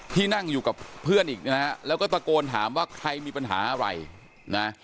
ที่นั่งอยู่กับเพื่อนอีกนะฮะแล้วก็ตะโกนถามว่าใครมีปัญหาอะไรนะ